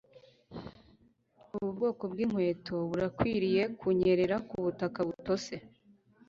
Ubu bwoko bwinkweto burakwiriye kunyerera kubutaka butose.